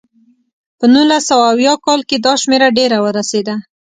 په نولس سوه اویا کال کې دا شمېره ډېره ورسېده.